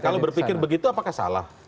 kalau berpikir begitu apakah salah